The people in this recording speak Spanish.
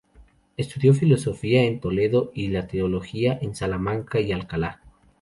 Estudió la filosofía en Toledo y la teología en Salamanca y Alcalá.